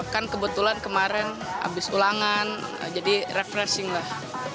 kan kebetulan kemarin habis ulangan jadi refreshing lah